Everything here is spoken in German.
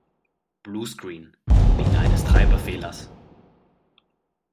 Bluescreen. Wegen eines Treiberfehlers.